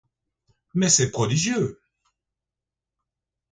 Mais c'est prodigieux !